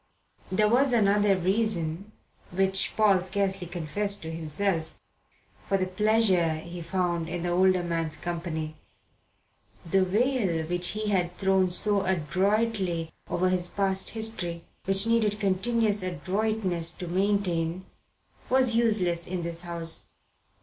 There was another reason, which Paul scarcely confessed to himself, for the pleasure he found in the older man's company. The veil which he had thrown so adroitly over his past history, which needed continuous adroitness to maintain, was useless in this house.